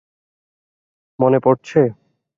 – মনে পড়ছে?